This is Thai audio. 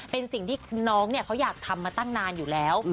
เป็นสิ่งที่น้องเขาอยากทำมาตั้งนานอยู่แล้ว